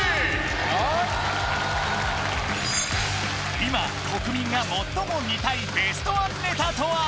今国民が最も見たいベストワンネタとは？